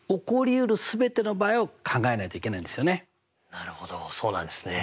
なるほどそうなんですね。